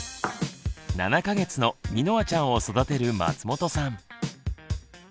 ７か月のみのあちゃんを育てる松本さん。